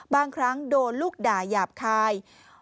บางครั้งโดนลูกด่าหยาบคาย